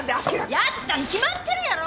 やったに決まってるやろ！